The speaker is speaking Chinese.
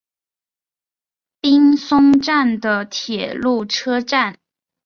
滨松站的铁路车站。